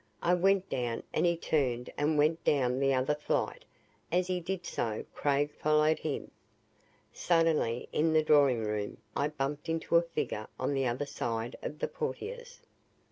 I went down and he turned and went down the other flight. As he did so, Craig followed him. Suddenly, in the drawing room, I bumped into a figure on the other side of the portieres.